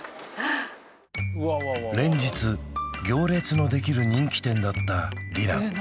連日行列のできる人気店だったディランえ